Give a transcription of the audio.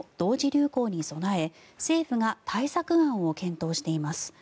流行に備え政府が対策案を検討しています。